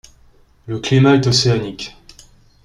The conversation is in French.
Le climat est océanique.